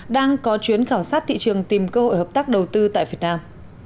đang có chuyến khảo sát thị trường tìm cơ hội hợp tác đầu tư tại việt nam